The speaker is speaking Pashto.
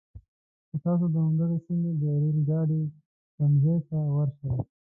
چې تاسو د همدغې سیمې د ریل ګاډي تمځي ته ورشئ.